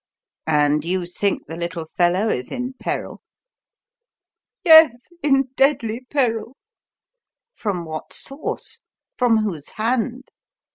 "And you think the little fellow is in peril?" "Yes in deadly peril." "From what source? From whose hand?"